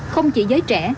không chỉ giới trẻ